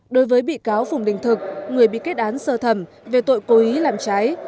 đối với bị cáo phùng đình thực người bị kết án sơ thẩm về tội cố ý làm trái